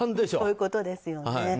そういうことですね。